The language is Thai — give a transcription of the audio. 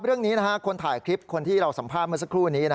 เรื่องนี้คนถ่ายคลิปคนที่เราสัมภาษณ์เมื่อสักครู่นี้